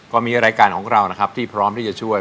ก็มีรายการของเรานะครับที่พร้อมที่จะช่วย